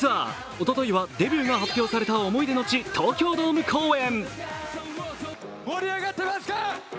おとといはデビューが発表された思い出の地、東京ドーム公演。